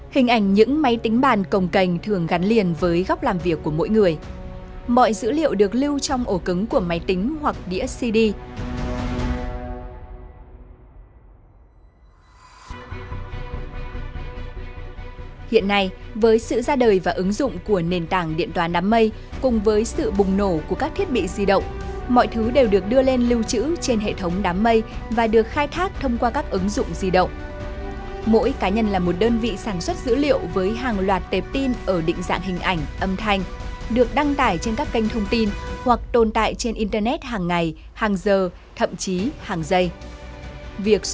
hãy đăng ký kênh để ủng hộ kênh của chúng mình nhé